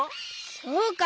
そうか！